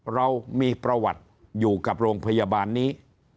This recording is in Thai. เรามีประวัติอยู่กับโรงพยาบาลนี้